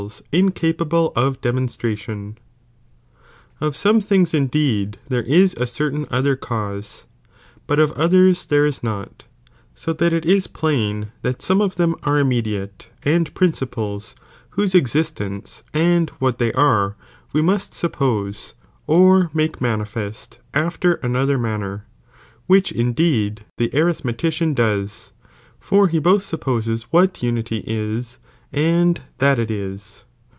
Aiwo foU Of some things indeed there ia a certain other twiS^ths cause, but of others there is not, so that it is plain mcibod Dud that Bome of them are immediate, and principles, in e»ch. whose existguce and what they are, we must sup pose, or make manifest after another manner,* which indeed the arithmetician does, for he both supposes ichat unity 'k, and that it is.